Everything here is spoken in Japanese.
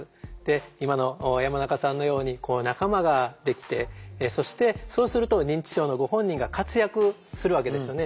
今の山中さんのように仲間ができてそしてそうすると認知症のご本人が活躍するわけですよね。